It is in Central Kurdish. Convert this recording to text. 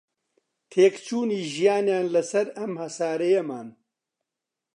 تێکچوونی ژیانیان لەسەر ئەم هەسارەیەمان